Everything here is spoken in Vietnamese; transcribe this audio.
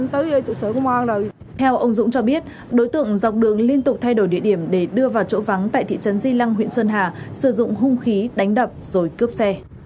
theo ông dũng cho biết đối tượng dọc đường liên tục thay đổi địa điểm để đưa vào chỗ vắng tại thị trấn di lăng huyện sơn hà sử dụng hung khí đánh đập rồi cướp xe